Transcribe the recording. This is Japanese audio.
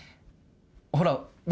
ほら僕